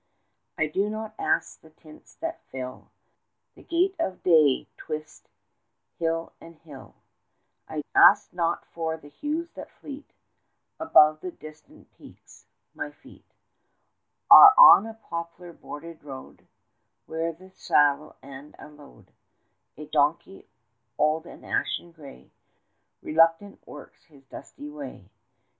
5 I do not ask the tints that fill The gate of day 'twixt hill and hill; I ask not for the hues that fleet Above the distant peaks; my feet Are on a poplar bordered road, 10 Where with a saddle and a load A donkey, old and ashen grey, Reluctant works his dusty way.